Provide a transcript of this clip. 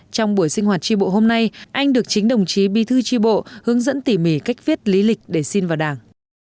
trong buổi sinh hoạt tri bộ hôm nay anh được chính đồng chí bi thư tri bộ hướng dẫn tỉ mỉ cách viết lý lịch để xin vào đảng